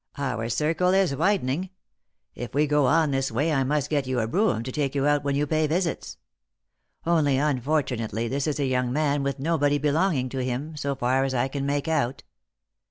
Our circle is widen ing. If we go on in this way I must get you a brougham to take you out when you pay visits. Only, unfortunately, this is a young man with nobody belonging to him, so far as I can make out."